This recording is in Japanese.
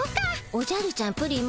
おじゃるちゃんプリン